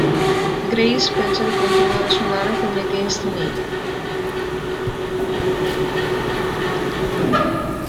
Grace pensa di continuare a suonare con gli Against Me!